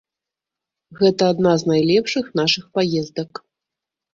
Гэта адна з найлепшых нашых паездак.